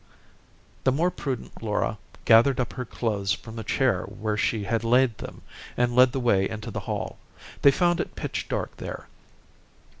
The more prudent Laura gathered up her clothes from a chair where she had laid them, and led the way into the hall. They found it pitch dark there.